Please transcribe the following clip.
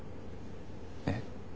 えっ？